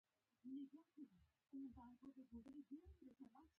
که د یوه لامل په وجه به راپاڅېدم، روژایې مې سمه کړله.